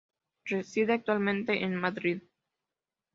Reside actualmente en Madrid.